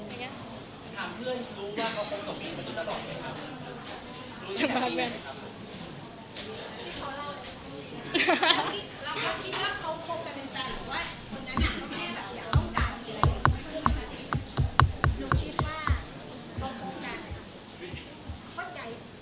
มันรู้สึกมันรักไปแล้วเนาะ